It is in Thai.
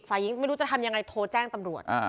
ฝ่ายหญิงไม่รู้จะทำยังไงโทรแจ้งตำรวจ